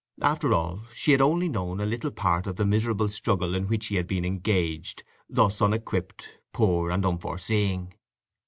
After all, she had only known a little part of the miserable struggle in which he had been engaged thus unequipped, poor, and unforeseeing.